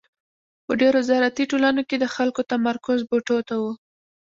په ډېرو زراعتي ټولنو کې د خلکو تمرکز بوټو ته و.